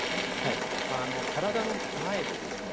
体の前でですね